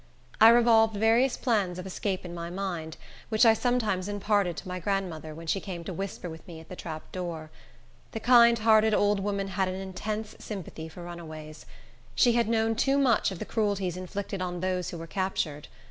I revolved various plans of escape in my mind, which I sometimes imparted to my grandmother, when she came to whisper with me at the trap door. The kind hearted old woman had an intense sympathy for runaways. She had known too much of the cruelties inflicted on those who were captured.